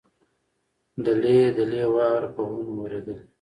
دلۍ دلۍ واوره په غرونو ورېدلې.